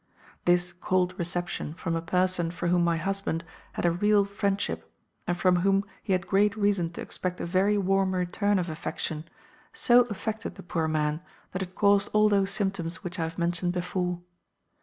"This cold reception from a person for whom my husband had a real friendship, and from whom he had great reason to expect a very warm return of affection, so affected the poor man, that it caused all those symptoms which I have mentioned before.